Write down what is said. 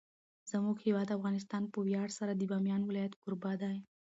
زموږ هیواد افغانستان په ویاړ سره د بامیان ولایت کوربه دی.